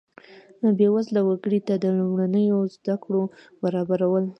بیوزله وګړو ته د لومړنیو زده کړو برابرول.